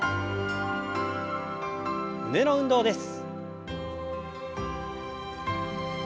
胸の運動です。